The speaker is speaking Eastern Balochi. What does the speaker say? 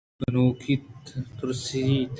ترا وتی گنوکی ءَ تُرسیت